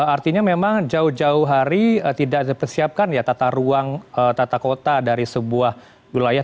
artinya memang jauh jauh hari tidak dipersiapkan ya tata ruang tata kota dari sebuah wilayah